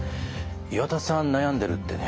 岩田さん悩んでるってね。